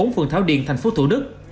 phường tháo điền tp thủ đức